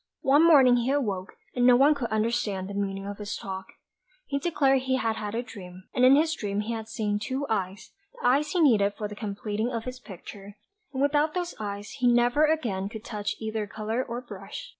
One morning he awoke, and no one could understand the meaning of his talk; he declared he had had a dream, and in his dream he had seen two eyes, the eyes he needed for the completing of his picture; and without those eyes he never again could touch either colour or brush.